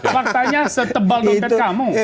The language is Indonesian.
faktanya setebal dompet kamu